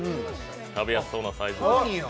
食べやすそうなサイズ。